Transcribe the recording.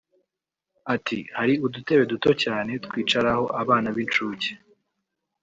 Ati “Hari udutebe duto cyane twicaraho abana b’incuke